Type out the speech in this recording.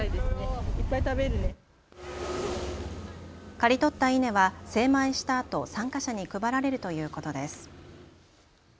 刈り取った稲は精米したあと参加者に配られるということです。